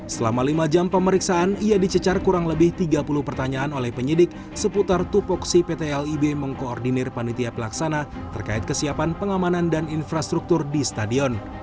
selama lima jam pemeriksaan ia dicecar kurang lebih tiga puluh pertanyaan oleh penyidik seputar tupoksi pt lib mengkoordinir panitia pelaksana terkait kesiapan pengamanan dan infrastruktur di stadion